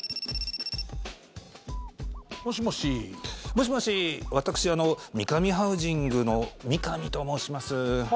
もしもし、私三上ハウジングの三上と申します。